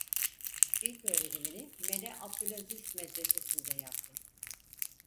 İlköğrenimini Mele Abdulaziz medresesi'nde yaptı.